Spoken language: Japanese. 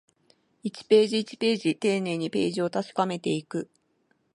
一ページ、一ページ、丁寧にページを確かめていく